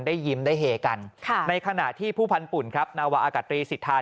ได้ยิ้มได้เฮกันในขณะที่ผู้พันธุ่นครับนาวะอากาศรีสิทธา